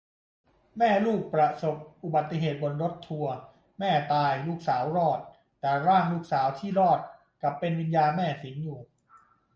แม่ลูกประสบอุบัติเหตุบนรถทัวร์ แม่ตาย ลูกสาวรอด แต่ร่างลูกสาวที่รอดกลับเป็นวิญญาณแม่สิงอยู่